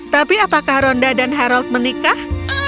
tapi apakah ronda dan harald menikah